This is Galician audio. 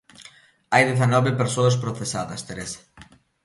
Hai dezanove persoas procesadas, Teresa.